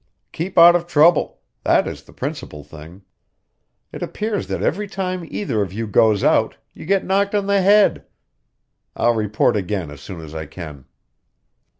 "Keep out of trouble that is the principal thing. It appears that every time either of you goes out, you get knocked on the head. I'll report again as soon as I can."